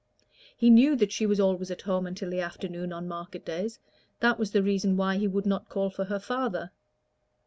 He knew that she was always at home until the afternoon on market days: that was the reason why he would not call for her father.